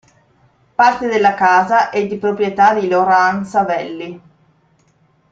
Parte della casa è di proprietà di Laurent Savelli.